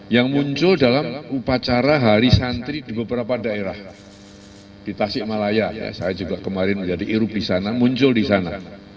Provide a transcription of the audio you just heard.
yang muncul dalam upacara hari santri di beberapa daerah di tasik malaya saya juga kemarin menjadi irup di sana muncul di sana